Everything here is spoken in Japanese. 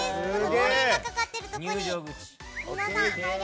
のれんがかかってるところに。